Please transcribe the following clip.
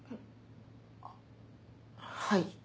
あっはい。